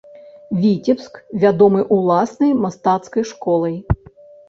Віцебск вядомы ўласнай мастацкай школай.